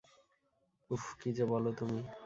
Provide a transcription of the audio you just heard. উফ, কী যে বলো তুমি।